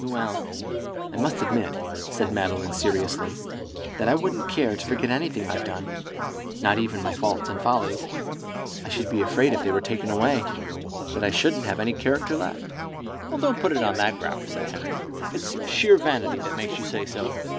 "Well, I must admit," said Madeline, seriously, "that I wouldn't care to forget anything I've done, not even my faults and follies. I should be afraid if they were taken away that I shouldn't have any character left." "Don't put it on that ground," said Henry, "it's sheer vanity that makes you say so.